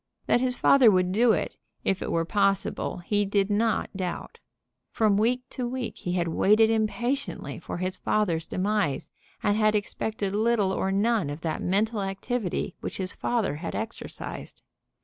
That his father would do it if it were possible he did not doubt. From week to week he had waited impatiently for his father's demise, and had expected little or none of that mental activity which his father had exercised.